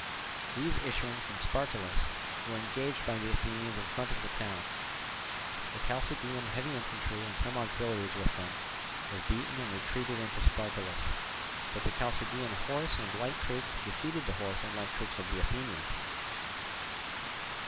These issuing from Spartolus were engaged by the Athenians in front of the town: the Chalcidian heavy infantry, and some auxiliaries with them, were beaten and retreated into Spartolus; but the Chalcidian horse and light troops defeated the horse and light troops of the Athenians.